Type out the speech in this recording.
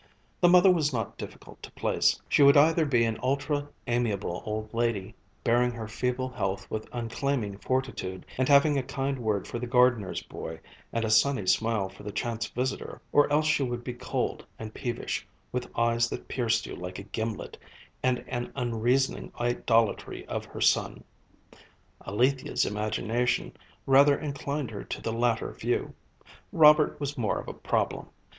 The mother was not difficult to place; she would either be an ultra amiable old lady, bearing her feeble health with uncomplaining fortitude, and having a kind word for the gardener's boy and a sunny smile for the chance visitor, or else she would be cold and peevish, with eyes that pierced you like a gimlet, and an unreasoning idolatry of her son. Alethia's imagination rather inclined her to the latter view. Robert was more of a problem.